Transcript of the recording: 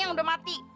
makanya udah mati